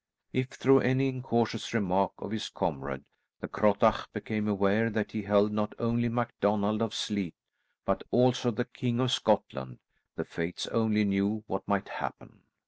If through any incautious remark of his comrade the Crottach became aware that he held not only MacDonald of Sleat but also the King of Scotland, the fates only knew what might happen.